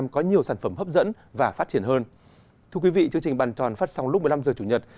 chương trình bàn chọn phát sóng lúc một mươi năm h chủ nhật